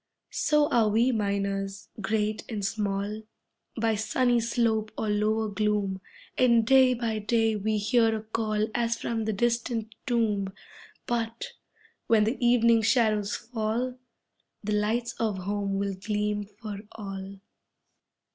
So are we miners, great and small, By sunny slope or lower gloom, And day by day we hear a call As from the distant tomb, But, when the evening shadows fall, The lights of home will gleam for all.